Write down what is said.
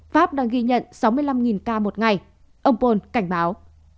pháp đang ghi nhận sáu mươi năm ca một ngày ông pole cảnh báo